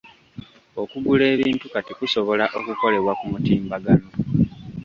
Okugula ebintu kati kusobola okukolebwa ku mutimbagano.